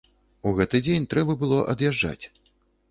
У гэты дзень трэба было ад'язджаць.